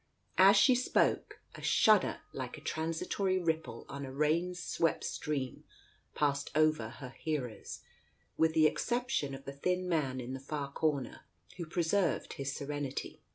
As she spoke, a shudder like a transitory ripple on a rain swept stream passed over her hearers, with the exception of the thin man in the far corner, who preserved his serenity.